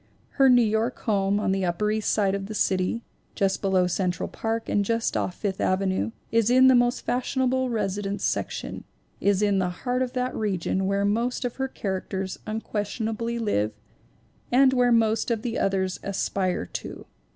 Her New York home on the upper East Side of the city, just below Central Park and just off Fifth Avenue, is in the most fashionable residence section, is in the heart of that region where most of her characters unques tionably live and where most of the others aspire to.